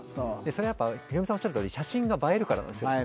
それやっぱり、ヒロミさんがおっしゃるとおり、写真が映えるからなんですよ。